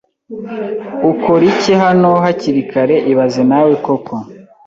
Ukora iki hano hakiri kare ibaze nawe koko